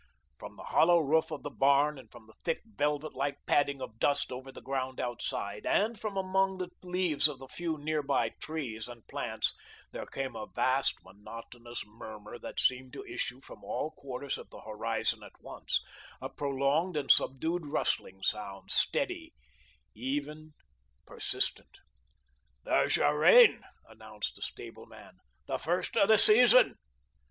From the hollow roof of the barn and from the thick velvet like padding of dust over the ground outside, and from among the leaves of the few nearby trees and plants there came a vast, monotonous murmur that seemed to issue from all quarters of the horizon at once, a prolonged and subdued rustling sound, steady, even, persistent. "There's your rain," announced the stableman. "The first of the season."